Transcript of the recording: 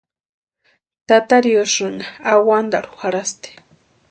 Tata riosïnha awantarhu jarhasti.